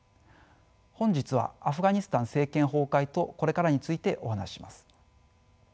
本日はアフガニスタン政権崩壊とこれからについてお話しします。